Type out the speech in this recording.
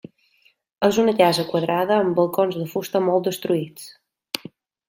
És una casa quadrada amb balcons de fusta molt destruïts.